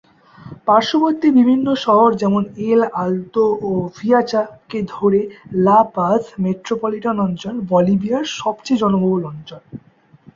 পার্শ্ববর্তী বিভিন্ন শহর যেমন "এল আলতো", ও "ভিয়াচা"কে ধরে লা পাজ মেট্রোপলিটান অঞ্চল বলিভিয়ার সবচেয়ে জনবহুল অঞ্চল।